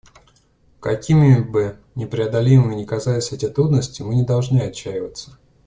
Какими бы непреодолимыми ни казались эти трудности, мы не должны отчаиваться.